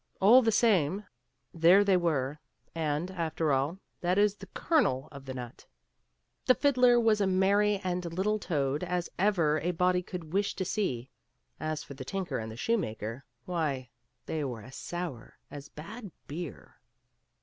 All the same, there they were, and, after all, that is the kernel of the nut. The fiddler was as merry a little toad as ever a body could wish to see ; as for the tinker and the shoemaker, why, they were as sour as bad beer.